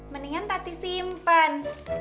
mendingan tati simpen